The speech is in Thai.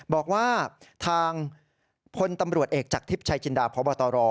บอกว่าทางพลตำรวจเอกจากทิพย์ชัยจินดาพบตร